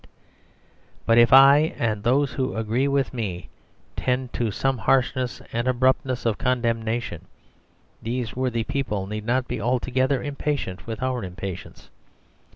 But if I and those who agree with me tend to some harshness and abruptness of condemnation, these worthy people need not be altogether impatient with our impatience.